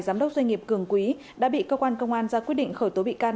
giám đốc doanh nghiệp cường quý đã bị cơ quan công an ra quyết định khởi tố bị can